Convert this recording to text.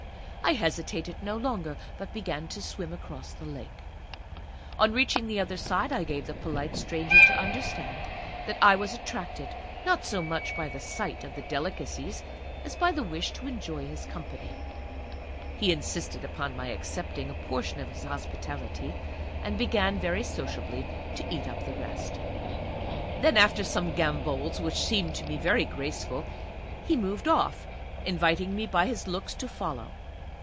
I hesitated no longer, but began to swim across the Lake. On reaching the other side I gave the polite stranger to understand that I was attracted, not so much by the sight of the delicacies as by the wish to enjoy his company. He insisted upon my accepting a portion of his hospitality, and began, very sociably, to eat up the rest. Then, after some gambols, which seemed to me very graceful, he moved off, inviting me by his looks to follow.